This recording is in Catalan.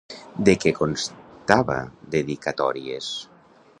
De què constava Dedicatòries.